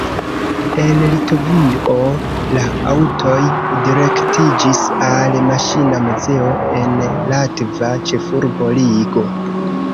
El Litovio la aŭtoj direktiĝis al maŝina muzeo en latva ĉefurbo Rigo.